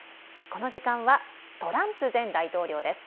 この時間は、トランプ前大統領です。